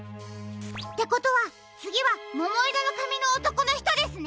ってことはつぎはももいろのかみのおとこのひとですね！